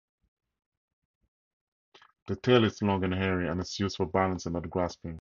The tail is long and hairy, and is used for balance and not grasping.